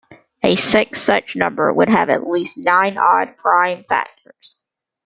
A sixth such number would have at least nine odd prime factors.